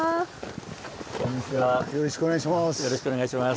よろしくお願いします。